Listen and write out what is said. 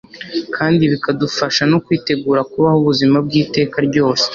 kandi bikadufasha no kwitegura kubaho ubuzima bw'iteka ryose